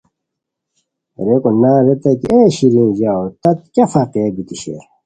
ریکو نان ریتائے کی اے شیرین ژاؤ تَت کیہ فقیہ بیتی شیر؟